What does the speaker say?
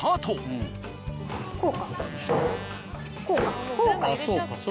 こうか。